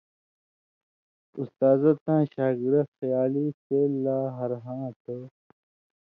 استازہ تاں شاگڑہ خیالی سېل لا ہرہ ہاں تھو۔